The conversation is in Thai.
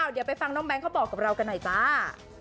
เดี๋ยวไปฟังน้องแก๊งเขาบอกกับเรากันหน่อยจ้า